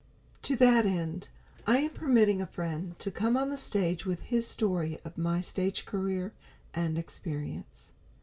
To that end, I am permitting a friend to come on the stage with his story of my stage career and experience.